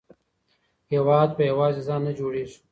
هېواد په یوازې ځان نه جوړیږي.